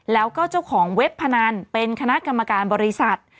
แล้วก็เจ้าของเว็บพนันเป็นคณะกรรมการบริษัท